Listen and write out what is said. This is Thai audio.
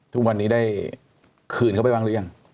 ทุกวันนี้ได้คืนเข้าไปบ้างหรือยัง